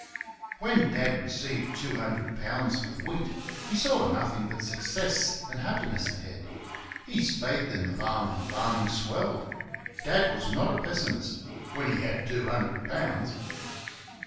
When Dad received two hundred pounds for the wheat he saw nothing but success and happiness ahead. His faith in the farm and farming swelled. Dad was not a pessimist when he had two hundred pounds.